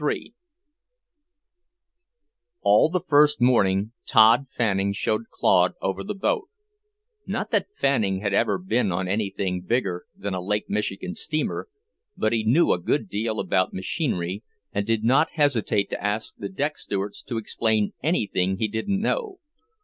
III All the first morning Tod Fanning showed Claude over the boat, not that Fanning had ever been on anything bigger than a Lake Michigan steamer, but he knew a good deal about machinery, and did not hesitate to ask the deck stewards to explain anything he didn't know.